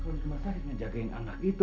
kalau rumah sakit ngejagain anak itu